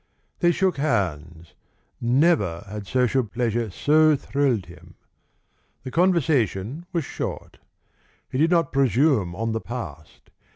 They shook hands. Never had social pleasure so thrilled him. The conversation was short. He did not presume on the past.